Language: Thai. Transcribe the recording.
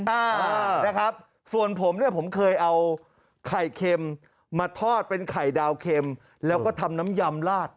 อ่านะครับส่วนผมเนี่ยผมเคยเอาไข่เค็มมาทอดเป็นไข่ดาวเค็มแล้วก็ทำน้ำยำลาด